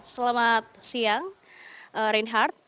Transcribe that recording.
selamat siang reinhardt